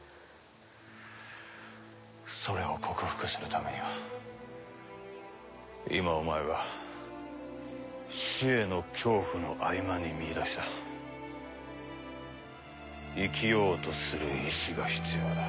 それを克服するためには今お前が死への恐怖の合間に見いだした生きようとする意志が必要だ。